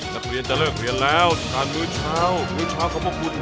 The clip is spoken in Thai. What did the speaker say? นักเรียนจะเลิกเรียนแล้วทานมื้อเช้ามื้อเช้าขอบคุณ